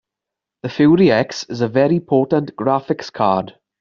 The Fury X is a very potent graphics card.